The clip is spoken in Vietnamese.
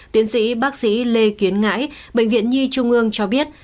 tiến sĩ bác sĩ lê kiến ngãi bệnh viện nhi trung ương cho biết